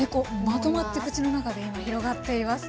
まとまって口の中で今広がっています。